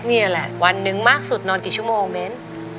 นี่แหละวันหนึ่งมากสุดนอนกี่ชั่วโมงเม้น